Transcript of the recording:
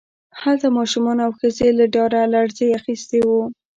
هلته ماشومان او ښځې له ډاره لړزې اخیستي وو